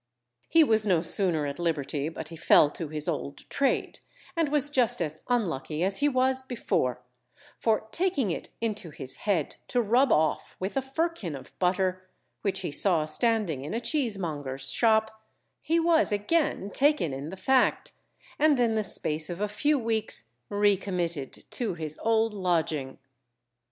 He was no sooner at liberty but he fell to his old trade, and was just as unlucky as he was before; for taking it into his head to rub off with a firkin of butter, which he saw standing in a cheesemonger's shop, he was again taken in the fact, and in the space of a few weeks recommitted to his old lodging.